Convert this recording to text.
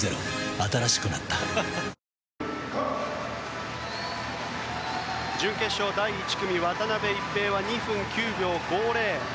新しくなった準決勝第１組渡辺一平は２分９秒５０。